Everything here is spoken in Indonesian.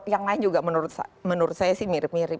yang lain juga menurut saya sih mirip mirip